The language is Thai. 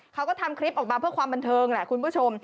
เขาก็ทำคลิปออกมาเพื่อความบันเทิงแหละคุณผู้ชม